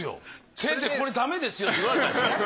「先生これダメですよ」って言われたんでしょ？